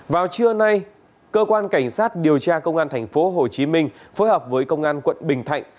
vào trưa nay cơ quan cảnh sát điều tra công an tp hcm phối hợp với công an quận bình thạnh